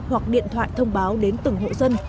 hoặc điện thoại thông báo đến từng hộ dân